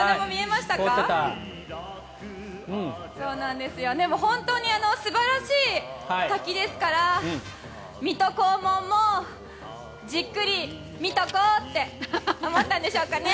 でも、本当に素晴らしい滝ですから水戸黄門もじっくり見とこうって思ったんでしょうかね。